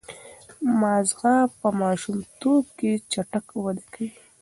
ماغزه په ماشومتوب کې چټک وده کوي.